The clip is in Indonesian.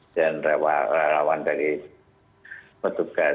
dan relawan berikutnya